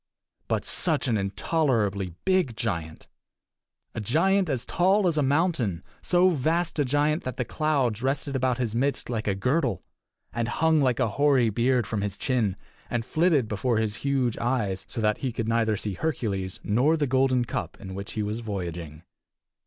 But such an intolerably big giant! A giant as tall as a mountain; so vast a giant that the clouds rested about his midst like a girdle, and hung like a hoary beard from his chin, and flitted before his huge eyes so that he could neither see Hercules nor the golden cup in which he was voyaging.